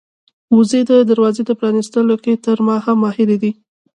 وزې د دروازې په پرانيستلو کې تر ما هم ماهرې دي.